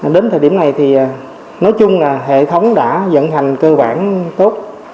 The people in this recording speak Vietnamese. đến thời điểm này thì nói chung là hệ thống đã dẫn hành cơ bản tốt